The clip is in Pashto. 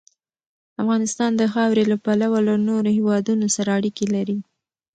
افغانستان د خاورې له پلوه له نورو هېوادونو سره اړیکې لري.